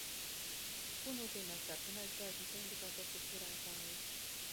Ko nozīmē sarkanais gaismas indikators uz turētāja?